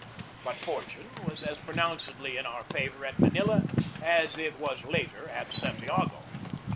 But fortune was as pronouncedly in our favor at Manila as it was later at Santiago.